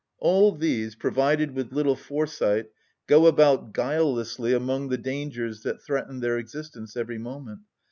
All these, provided with little foresight, go about guilelessly among the dangers that threaten their existence every moment.